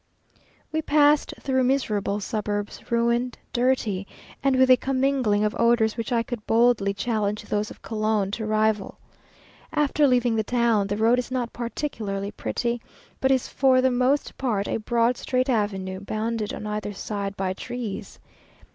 We passed through miserable suburbs, ruined, dirty, and with a commingling of odours which I could boldly challenge those of Cologne to rival. After leaving the town, the road is not particularly pretty, but is for the most part a broad, straight avenue, bounded on either side by trees.